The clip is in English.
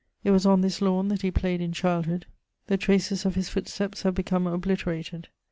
It was on this lawn that he played in childhood; the traces of his footsteps have become obliterated.